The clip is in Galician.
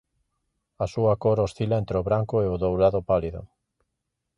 A súa cor oscila entre o branco e o dourado pálido.